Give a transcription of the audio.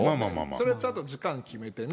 それはちゃんと時間決めてね。